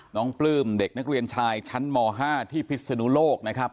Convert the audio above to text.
ปลื้มเด็กนักเรียนชายชั้นม๕ที่พิศนุโลกนะครับ